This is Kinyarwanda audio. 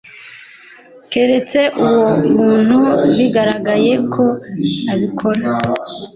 keretse uwo muntu bigaragaye ko abikora